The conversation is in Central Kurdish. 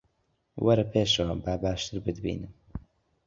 وەرە پێشەوە، با باشتر بتبینم